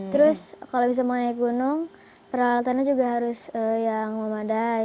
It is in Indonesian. terus kalau bisa mau naik gunung peralatannya juga harus yang memadai